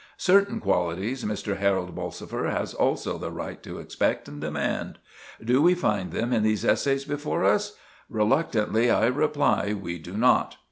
"Certain qualities Mr. Harold Bolsover has also the right to expect and demand. Do we find them in these essays before us? Reluctantly I reply, we do not.